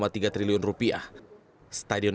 stadion ini juga akan dihubungi dengan penyelenggaran